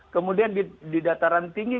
kemudian di dataran tinggi